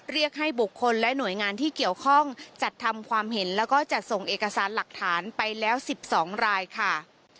เรียกให้บุคคลและหน่วยงานที่เกี่ยวข้องจัดทำความเห็นแล้วก็จัดส่งเอกสารหลักฐานไปแล้ว๑๒รายค่ะ